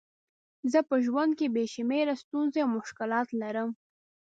زه په ژوند کې بې شمېره ستونزې او مشکلات لرم.